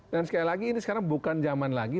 dan sekali lagi ini sekarang bukan zaman lagi